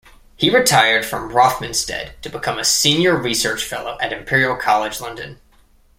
He retired from Rothamsted to become a Senior Research Fellow at Imperial College London.